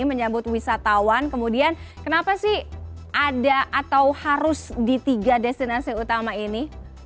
menyambut wisatawan kemudian kenapa sih ada atau harus di tiga destinasi utama ini